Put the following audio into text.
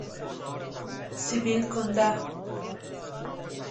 سبیل کنده